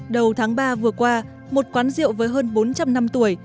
đầu tháng ba vừa qua một quán rượu với hơn bốn trăm linh năm tuổi